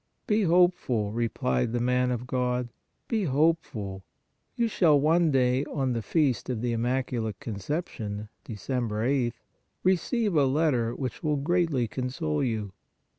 " Be hopeful," replied the man of God, "be hopeful; you shall one day on the Feast of the Immaculate Conception (Dec. 8th) receive a letter which will greatly console you."